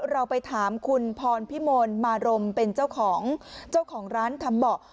เราไปถามคุณพรพิมลมารมเป็นเจ้าของเจ้าของร้านทำเบาะ